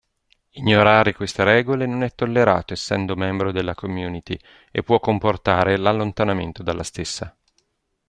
Ignorare queste regole non è tollerato essendo membro della community e può comportare l'allontanamento dalla stessa.